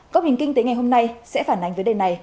cốc hình kinh tế ngày hôm nay sẽ phản ánh với đề này